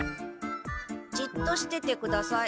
じっとしててください。